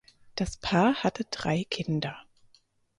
Das Paar hatte drei Kinder.